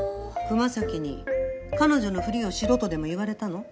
熊咲に彼女のふりをしろとでも言われたの？